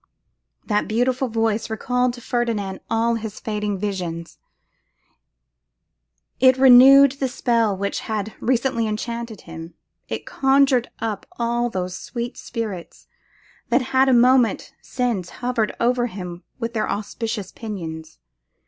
That beautiful voice recalled to Ferdinand all his fading visions; it renewed the spell which had recently enchanted him; it conjured up again all those sweet spirits that had a moment since hovered over him with their auspicious pinions.